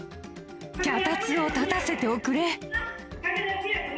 脚立を立たせておくれ。